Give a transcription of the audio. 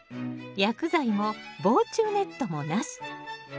薬剤も防虫ネットもなし。